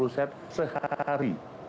dua puluh set sehari